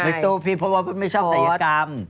ไม่สู้เพราะว่าคุณไม่ชอบสียากรรม